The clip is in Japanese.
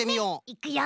いくよ！